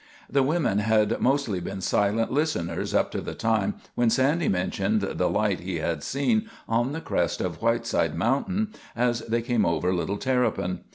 The women had mostly been silent listeners up to the time when Sandy mentioned the light he had seen on the crest of Whiteside Mountain, as they came over Little Terrapin.